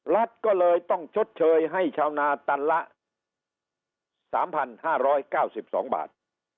รัฐก็เลยต้องชดเชยให้ชาวนาตันละ๓๕๙๒บาท